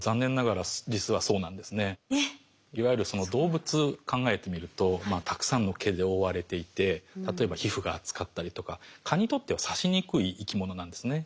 いわゆる動物考えてみるとたくさんの毛で覆われていて例えば皮膚が厚かったりとか蚊にとっては刺しにくい生き物なんですね。